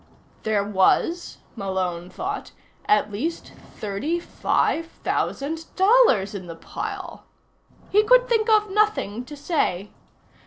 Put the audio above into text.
There was, Malone thought, at least thirty five thousand dollars in the pile. He could think of nothing to say.